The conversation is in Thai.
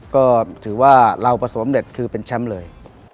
ก็ถือว่าเราประสบความสำเร็จคือเป็นแชมป์เลย